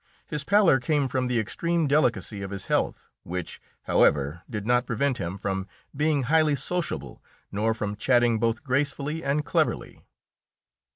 This pallor came from the extreme delicacy of his health, which, however, did not prevent him from being highly sociable nor from chatting both gracefully and cleverly.